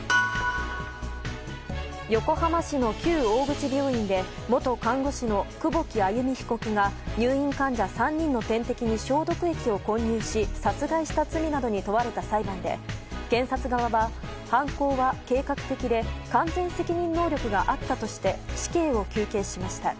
横浜市の旧大口病院で元看護師の久保木愛弓被告が入院患者３人の点滴に消毒液を混入し殺害した罪などに問われた裁判で検察側は犯行は計画的で完全責任能力があったとして死刑を求刑しました。